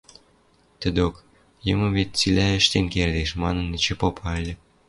Тӹдок: «Йымы вет цилӓ ӹштен кердеш», – манын эче попа ыльы.